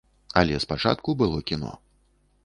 Але спачатку было кіно.